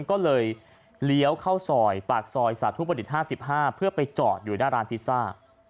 ก็เลยเลี้ยวเข้าซอยปากซอยสาธุประดิษฐ์๕๕เพื่อไปจอดอยู่หน้าร้านพิซซ่า